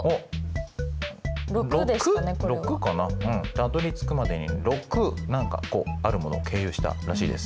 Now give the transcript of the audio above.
たどりつくまでに６何かあるものを経由したらしいです。